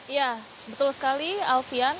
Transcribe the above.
ya betul sekali alfian